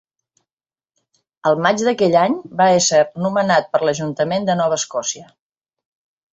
Al maig d'aquell any, va ésser nomenat per a l'ajuntament de Nova Escòcia.